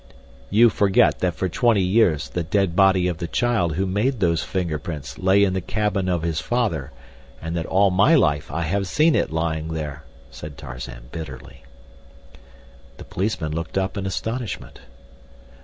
"You forget that for twenty years the dead body of the child who made those fingerprints lay in the cabin of his father, and that all my life I have seen it lying there," said Tarzan bitterly. The policeman looked up in astonishment.